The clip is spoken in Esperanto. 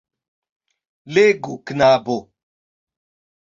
Legu, knabo.